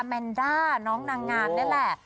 แมนด้าน้องนางงามนี่แหละ